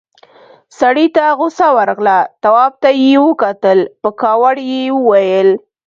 سړي ته غوسه ورغله، تواب ته يې وکتل، په کاوړ يې وويل: